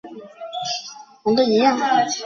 波尔多第三大学则保持独立。